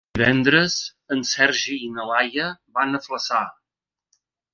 Divendres en Sergi i na Laia van a Flaçà.